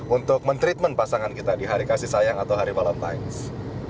untuk men treatment pasangan kita di hari kasih sayang atau hari valentines